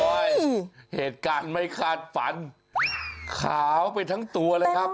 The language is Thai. เออเย็นการไม่คาดฝันขาวไปทั้งตัวเลยครับ